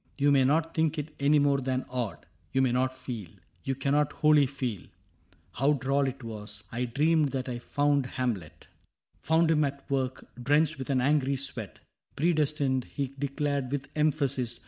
You may not think it any more than odd ; You may not feel — you cannot wholly feel — How droll it was :— I dreamed that I found Hamlet ^ 72 CAPTAIN CRAIG Found him at work, drenched with an angiy sweat, Predestined, he declared with emphasis.